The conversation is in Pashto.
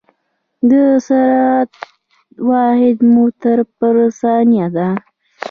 د سرعت واحد متر پر ثانيه ده.